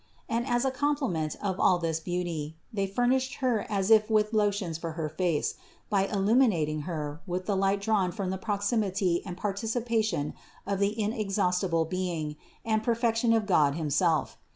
And as a complement of all this beauty, they furnished Her as if with lotions for her face, by illumi nating Her with the light drawn from the proximity and participation of the inexhaustible Being and perfection of God himself.